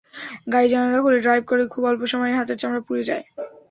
গাড়ির জানালা খুলে ড্রাইভ করলে খুব অল্প সময়েই হাতের চামড়া পুড়ে যায়।